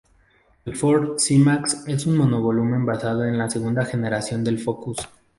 El Ford C-Max es un monovolumen basado en la segunda generación del Focus.